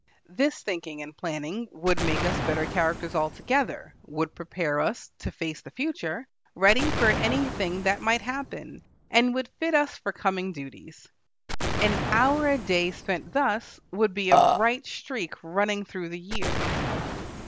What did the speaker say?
This thinking and planning would make us better characters altogether, would prepare us to face the future, ready for anything that might happen, and would fit us for coming duties. An hour a day spent thus would be a bright streak running through the year.